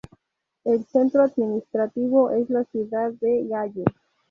El centro administrativo es la ciudad de Galle.